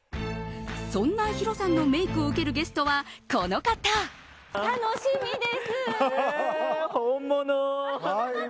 そんなヒロさんのメイクを受けるゲストは楽しみです！